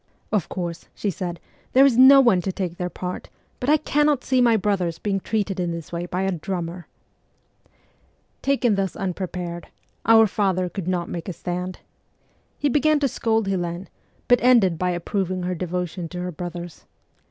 Of course,' she cried, ' there is no one to take their part, CHILDHOOD '21 but I cannot see my brothers being treated in this way by a drummer !' Taken thus unprepared, our father could not make a stand. He began to scold Helene, but ended by approving her devotion to her brothers.